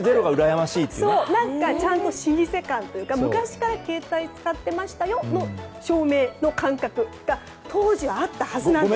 老舗感というか昔から携帯を使ってましたよという証明の感覚が当時あったはずなんです。